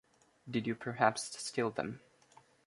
Did you perhaps steal them?